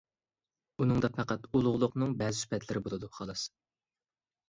ئۇنىڭدا پەقەت ئۇلۇغلۇقنىڭ بەزى سۈپەتلىرى بولىدۇ، خالاس.